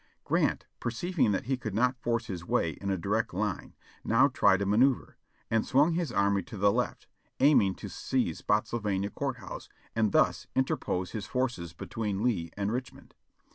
Grant, perceiving that he could not force his way in a direct line, now tried a manoeuvre, and swung his army to the left, aiming to seize Spottsylvania Court House, and thus interpose his forces between Lee and Richmond.